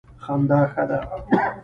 خندا ښه ده.